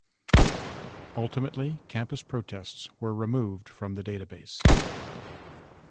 Ultimately, campus protests were removed from the database.